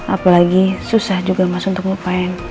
apalagi susah juga mas untuk lupain kehilangan anak